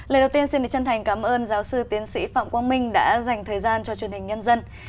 lời đầu tiên xin chân thành cảm ơn giáo sư tiến sĩ phạm quang minh đã dành thời gian cho truyền hình nhân dân